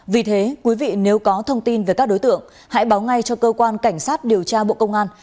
vì thế quý vị nếu có thông tin về các đối tượng hãy báo ngay cho cơ quan cảnh sát điều tra bộ công an